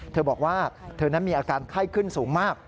เธอบอกว่าเธอนั้นมีอาการไข้ขึ้นสูงมาก